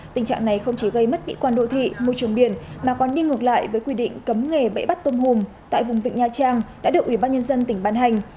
tình trạng này không chỉ gây mất mỹ quan đô thị môi trường biển mà còn đi ngược lại với quy định cấm nghề bẫy bắt tôm hùm tại vùng vịnh nha trang đã được ủy ban nhân dân tỉnh ban hành